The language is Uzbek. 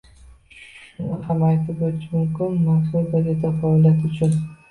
Shuni ham aytib o'tish mumkinki, mazkur gazeta faoliyati uchun